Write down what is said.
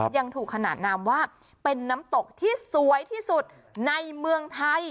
ยังถูกขนาดนามว่าเป็นน้ำตกที่สวยที่สุดในเมืองไทย